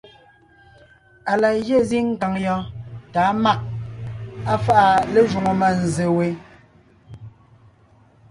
Á la gyɛ́ zíŋ kàŋ yɔɔn tà á mâg, á fáʼa lé jwoŋo mânzse we,